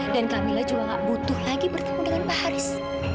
dan kamila juga tidak butuh lagi bertemu dengan pak haris